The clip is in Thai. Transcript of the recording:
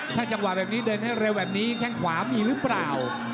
ถ้าจังหวะแบบนี้เดินให้เร็วแบบนี้แข้งขวามีหรือเปล่า